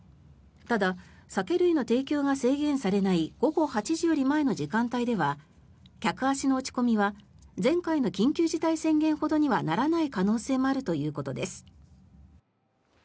ただ、酒類の提供が制限されない午後８時より前の時間帯では客足の落ち込みは前回の緊急事態宣言ほどにはならない可能性もあるということです。